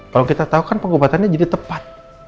kalau kita tahu kan pengobatannya jadi tepat